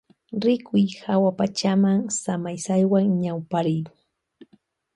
Rikuy hawapachama samaysaywan ñawpariy.